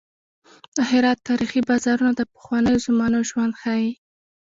د هرات تاریخي بازارونه د پخوانیو زمانو ژوند ښيي.